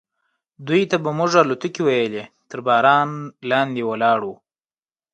دوی ته به موږ الوتکې ویلې، تر باران لاندې ولاړ و.